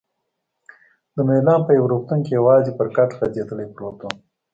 د میلان په یو روغتون کې یوازې پر کټ غځېدلی پروت وم.